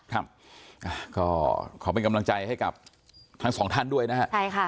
ครับก็ขอเป็นกำลังใจให้กับทั้งสองท่านด้วยนะฮะใช่ค่ะ